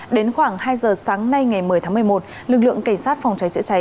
đến khoảng hai giờ sáng nay ngày một mươi tháng một mươi một lực lượng cảnh sát phòng cháy chữa cháy